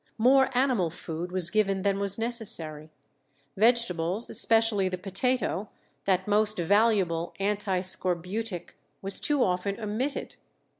More animal food was given than was necessary. Vegetables, especially the potato, that most valuable anti scorbutic, was too often omitted.